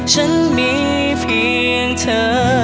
ฉันมีเพียงเธอ